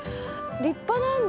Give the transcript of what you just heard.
立派なんだ！